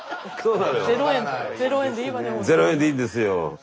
０円でいいんですよ。